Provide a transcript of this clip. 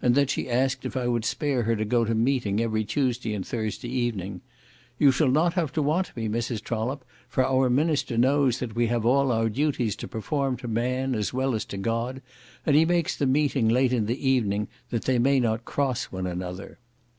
and then she asked if I would spare her to go to Meeting every Tuesday and Thursday evening; "You shall not have to want me, Mrs. Trollope, for our minister knows that we have all our duties to perform to man, as well as to God, and he makes the Meeting late in the evening that they may not cross one another."